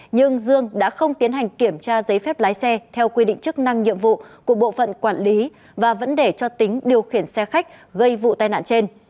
nhưng dương đã không tiến hành kiểm tra giấy phép lái xe theo quy định chức năng nhiệm vụ của bộ phận quản lý và vấn đề cho tính điều khiển xe khách gây vụ tai nạn trên